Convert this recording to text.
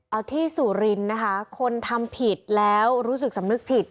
เอาที่สุรินทร์นะคะคนทำผิดแล้วรู้สึกสำนึกผิด